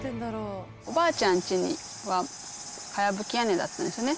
おばあちゃんちはかやぶき屋根だったんですよね。